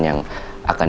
dan memiliki kebenaran